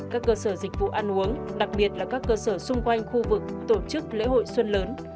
các cơ sở dịch vụ ăn uống đặc biệt là các cơ sở xung quanh khu vực tổ chức lễ hội xuân lớn